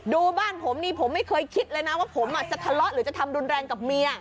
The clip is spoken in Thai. บ้านผมนี่ผมไม่เคยคิดเลยนะว่าผมจะทะเลาะหรือจะทำรุนแรงกับเมีย